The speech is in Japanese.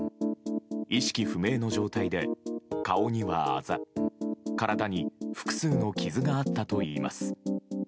意識不明の状態で、顔にはあざ体に複数の傷があったといいます。